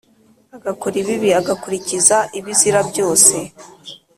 agakora ibibi, agakurikiza ibizira byose